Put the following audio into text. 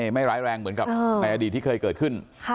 ไม่ร้ายแรงเหมือนกับในอดีตที่เคยเกิดขึ้น